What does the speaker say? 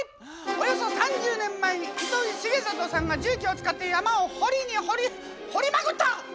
およそ３０年前に糸井重里さんが重機を使って山を掘りに掘り掘りまくった！